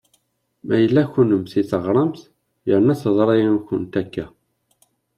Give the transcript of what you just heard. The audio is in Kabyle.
Ma yella kunemti teɣramt yerna teḍra-yawent akka.